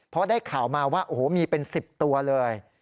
เพราะได้ข่าวมาว่าโอ้โหมีเป็น๑๐ตัวเลย